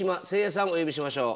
お呼びしましょう。